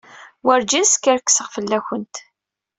Werǧin skerkseɣ fell-awent.